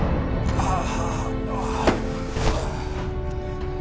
ああ。